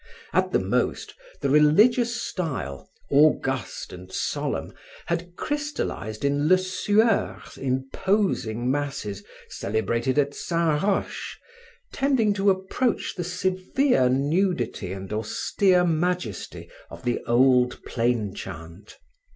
At the most, the religious style, august and solemn, had crystallized in Lesueur's imposing masses celebrated at Saint Roch, tending to approach the severe nudity and austere majesty of the old plain chant.